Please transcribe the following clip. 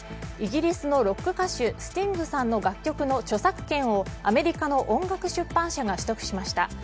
イギリスのロック歌手スティングさんの楽曲の著作権をアメリカの音楽出版社が取得しました。